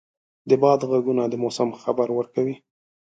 د باد ږغونه د موسم خبر ورکوي.